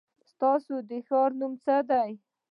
ستاسو د ښار نو څه دی ؟